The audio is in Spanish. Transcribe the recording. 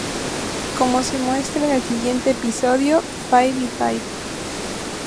Como se muestra en el siguiente episodio "Five by Five".